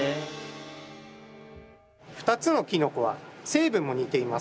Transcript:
２つのキノコは成分も似ています。